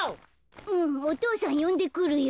うんお父さんよんでくるよ。